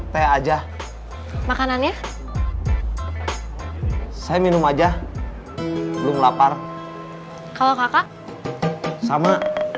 teh aja makanannya saya minum aja belum lapar kalau kakak sama